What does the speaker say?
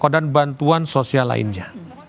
dan bantuan sosial lainnya